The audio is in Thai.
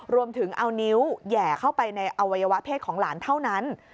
รวมถึงเอานิ้วแหย่เข้าไปในอวัยวะเพศของหลานเท่านั้น